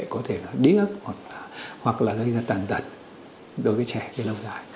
có thể là điếc hoặc là gây ra tàn tật đối với trẻ về lâu dài